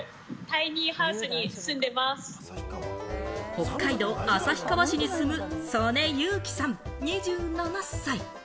北海道旭川市に住む曽根優希さん、２７歳。